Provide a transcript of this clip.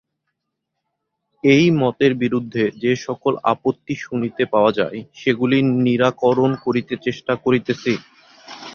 এই মতের বিরুদ্ধে যে-সকল আপত্তি শুনিতে পাওয়া যায়, সেগুলি নিরাকরণ করিতে চেষ্টা করিতেছি।